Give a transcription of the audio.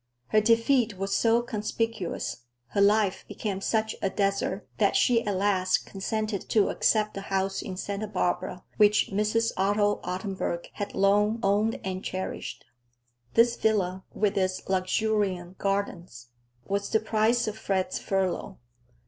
Her defeat was so conspicuous, her life became such a desert, that she at last consented to accept the house in Santa Barbara which Mrs. Otto Ottenburg had long owned and cherished. This villa, with its luxuriant gardens, was the price of Fred's furlough.